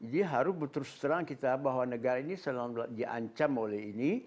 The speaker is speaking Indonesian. jadi harus betul betul kita bahwa negara ini selalu diancam oleh